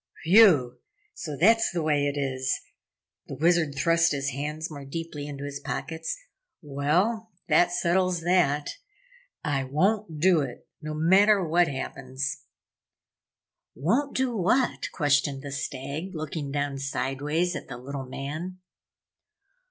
"Whew so that's the way it is?" The Wizard thrust his hands more deeply into his pockets. "Well, that settles that! I won't do it no matter what happens!" "Won't do what?" questioned the Stag, looking down sideways at the little man.